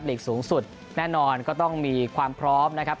ลีกสูงสุดแน่นอนก็ต้องมีความพร้อมนะครับ